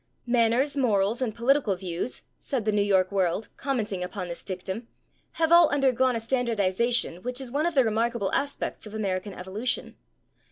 "Manners, morals and political views," said the /New York World/, commenting upon this dictum, "have all undergone a standardization which is one of the remarkable aspects of American evolution.